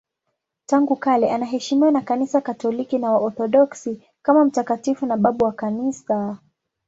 Tangu kale anaheshimiwa na Kanisa Katoliki na Waorthodoksi kama mtakatifu na babu wa Kanisa.